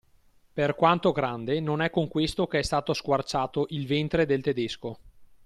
per quanto grande, non è con questo che è stato squarciato il ventre del tedesco.